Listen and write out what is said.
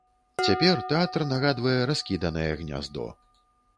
Цяпер тэатр нагадвае раскіданае гняздо.